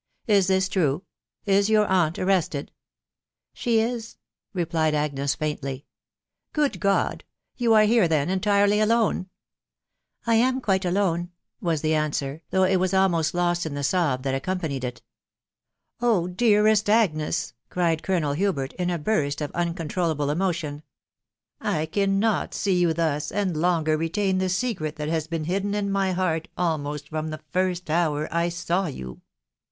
... Is this true? .... Is your aunt arrested ?"" She is/' replied Agnes faintly. fi Good God !.... You are here, then, entirely alone ?"" I am quite alone," was the answer, though it was almost lost in the sob that accompanied it. " Qh ! dearest Agnes," cried Colonel Hubert, in a burst or uncontrollable emotion, " I cannot see you thus, and longer retain the secret that has been hiddeu in my heaxt *\\fto&ixsft&> BB 2 372 .THE WIDOW BAHNABY. the first hour I saw you